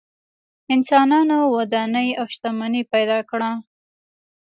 انسانانو ودانۍ او شتمنۍ پیدا کړه.